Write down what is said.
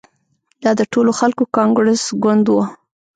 دا د ټولو خلکو کانګرس ګوند وو.